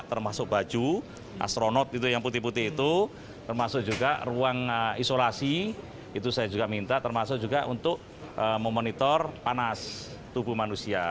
termasuk baju astronot itu yang putih putih itu termasuk juga ruang isolasi itu saya juga minta termasuk juga untuk memonitor panas tubuh manusia